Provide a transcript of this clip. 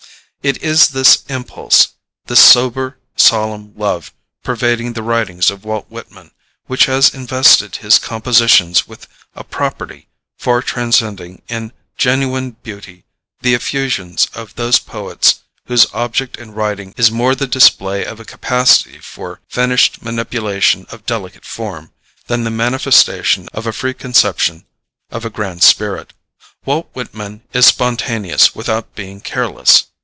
It is this impulse this sober, solemn love pervading the writings of Walt Whitman which has invested his compositions with a property far transcending in genuine beauty the effusions of those poets whose object in writing is more the display of a capacity for finished manipulation of delicate form, than the manifestation of a free conception of a grand spirit. Walt Whitman is spontaneous without being careless.